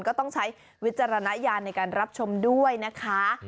ก็ต้องใช้วิจารณญาณในการรับชมด้วยนะคะ